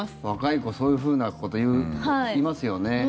若い子そういうふうなこと言いますよね。